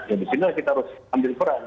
ya di sini kita harus ambil peran